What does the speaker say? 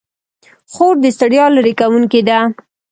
خور د ستړیا لیرې کوونکې ده.